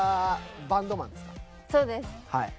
そうです。